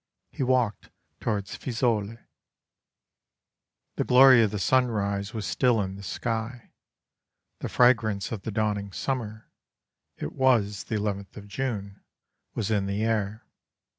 He walked towards Fiesole. The glory of the sunrise was still in the sky, the fragrance of the dawning summer (it was the 11th of June) was in the air.